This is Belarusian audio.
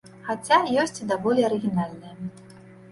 Хаця, ёсць і даволі арыгінальныя.